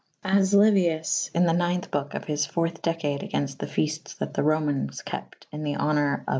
As Liuius in the .ix. boke of his fourthe decade agaynfte the feaftes that the Romaynes kept in the honour of the ■ B.